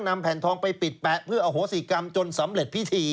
นำแผ่นทองไปปิดแปะเพื่ออโหสิกรรมจนสำเร็จพิธี